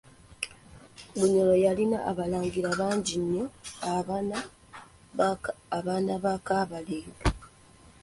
Bunyoro yo yalina abalangira bangi nnyo abaana ba Kabalega.